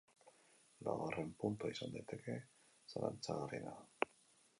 Laugarren puntua izan daiteke zalantzagarriena.